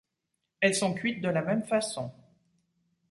Elles sont cuites de la même façon.